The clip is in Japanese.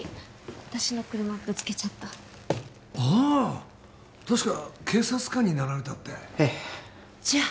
私の車ぶつけちゃったああっ確か警察官になられたってええじゃ！